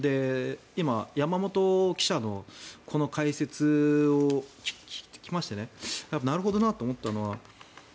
今、山本記者のこの解説を聞きましてなるほどなと思ったのは